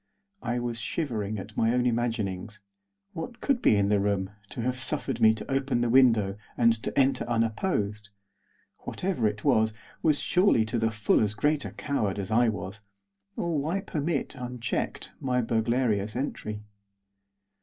I was shivering at my own imaginings. What could be in the room, to have suffered me to open the window and to enter unopposed? Whatever it was, was surely to the full as great a coward as I was, or why permit, unchecked, my burglarious entry.